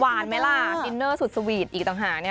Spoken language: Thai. หวานไหมล่ะดินเนอร์สุดสุดอีกต่างหาก